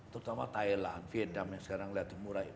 terutama thailand vietnam yang sekarang murah